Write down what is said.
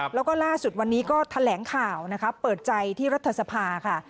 แล้วก็ล่าสุดวันนี้ก็แถลงข่าวนะคะเปิดใจที่รัฐสภาค่ะ